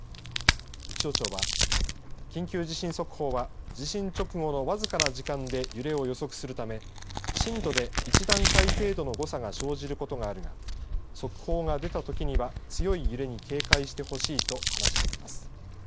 気象庁は緊急地震速報は地震直後のわずかな時間で揺れを予測するため震度で１段階程度の誤差が生じることがあるが速報が出たときには強い揺れに警戒してほしいと話しています。